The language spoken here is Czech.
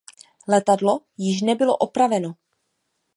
Letadlo již nebylo opraveno.